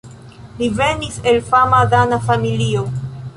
Li venis el fama dana familio.